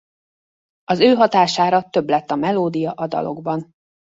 Az ő hatására több lett a melódia a dalokban.